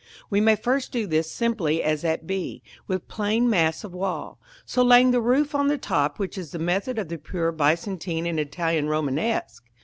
We may first do this simply as at b, with plain mass of wall; so laying the roof on the top, which is the method of the pure Byzantine and Italian Romanesque.